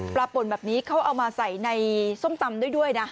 ป่นแบบนี้เขาเอามาใส่ในส้มตำด้วยนะ